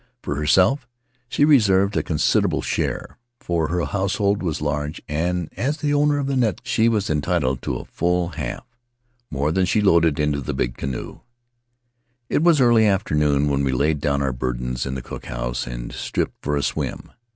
For herself she reserved a considerable share, for her household was large, and as the owner of the net she was entitled to a full half — more than she loaded into the big canoe. It was early afternoon when we laid down our burdens in the cook house and stripped for a swim.